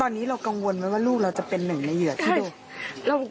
ตอนนี้เรากังวลไหมว่าลูกเราจะเป็นหนึ่งในเหยื่อที่โดน